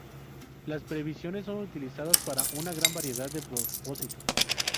Las previsiones son utilizadas para una gran variedad de propósitos.